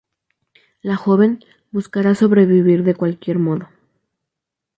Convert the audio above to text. La joven, buscará sobrevivir de cualquier modo.